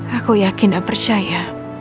aku yakin dan percaya